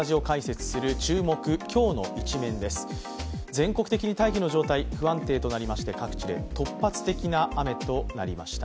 全国的に大気の状態、不安定となりまして、各地で突発的な雨となりました。